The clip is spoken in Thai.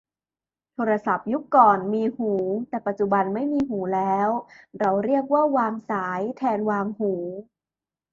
โทรศัพท์ยุคก่อนมีหู แต่ปัจจุบันไม่มีหูแล้ว เราเรียกว่าวางสายแทนวางหู